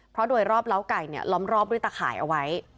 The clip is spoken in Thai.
เพราะโดยรอบเล้าไก่ล้อมรอบด้วยตะข่ายเอาไว้